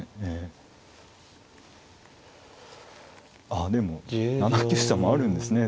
ああでも７九飛車もあるんですね。